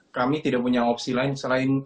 kami tidak punya opsi lain selain